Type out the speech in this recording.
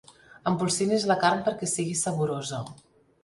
Empolsinis la carn perquè sigui saborosa.